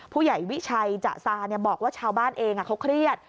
ผู้ใหญ่วิชัยจะซาบอกว่าชาวบ้านเองเขาเครียด